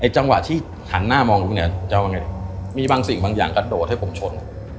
จังหวะที่หันหน้ามองคุณแอ๋วมีบางสิ่งบางอย่างกระโดดให้ผมชน